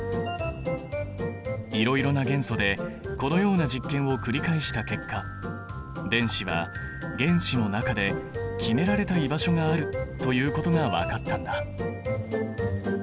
いろいろな元素でこのような実験を繰り返した結果電子は原子の中で決められた居場所があるということが分かったんだ。